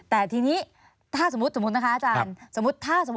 แต่ทีนี้ถ้าสมมติ